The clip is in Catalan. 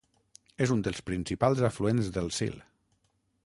És un dels principals afluents del Sil.